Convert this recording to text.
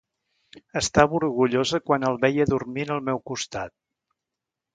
Estava orgullosa quan el veia dormint al meu costat.